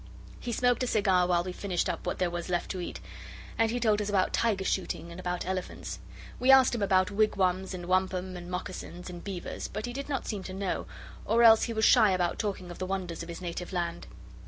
He smoked a cigar while we finished up what there was left to eat, and told us about tiger shooting and about elephants. We asked him about wigwams, and wampum, and mocassins, and beavers, but he did not seem to know, or else he was shy about talking of the wonders of his native land.